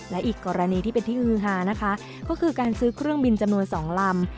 และอีกกรณีที่เป็นที่ฮือฮานะคะก็คือการซื้อเครื่องบินจำนวน๒ลำ